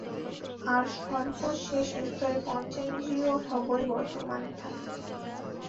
আর সর্বশেষ স্তরে পঞ্চেন্দ্রিয়ের সবই বর্তমান থাকে।